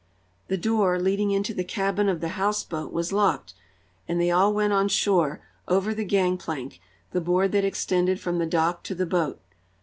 The door, leading into the cabin of the houseboat was locked, and they all went on shore, over the gangplank, the board that extended from the dock to the boat.